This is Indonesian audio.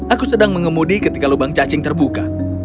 aku sedang mengemudi ketika lubang cacing terbuka